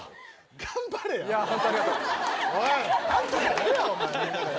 頑張れや。